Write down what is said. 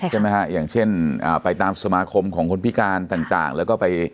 ใช่ไหมฮะอย่างเช่นไปตามสมาคมของคนพิการต่างแล้วก็ไป